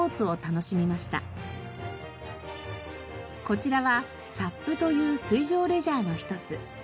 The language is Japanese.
こちらはＳＵＰという水上レジャーのひとつ。